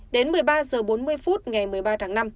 đến một mươi ba h bốn mươi phút ngày một mươi ba tháng năm